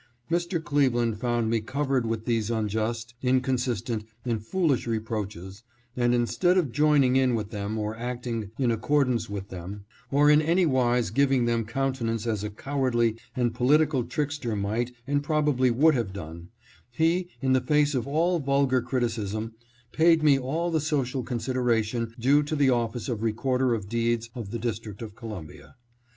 Mr. Cleveland found me covered with these un just, inconsistent, and foolish reproaches, and instead of joining in with them or acting in accordance with them, or in anywise giving them countenance as a cowardly and political trickster might and probably would have done, he, in the face of all vulgar criticism, paid me all the social consideration due to the office of Recorder of Deeds of the District of Columbia.